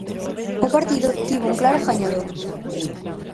O partido tivo un claro gañador.